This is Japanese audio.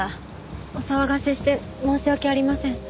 お騒がせして申し訳ありません。